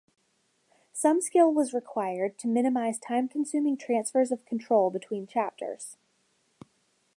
Some skill was required to minimise time-consuming transfers of control between chapters.